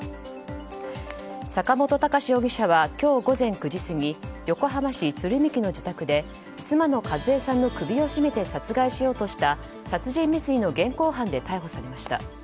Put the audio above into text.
坂本高志容疑者は今日午前９時過ぎ横浜市鶴見区の自宅で妻の数江さんの首を絞めて殺害しようとした殺人未遂の現行犯で逮捕されました。